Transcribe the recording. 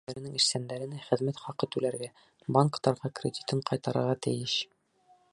Хужалыҡтар үҙҙәренең эшсәндәренә хеҙмәт хаҡы түләргә, банктарға кредитын ҡайтарырға тейеш.